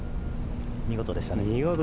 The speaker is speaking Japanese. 見事でしたね。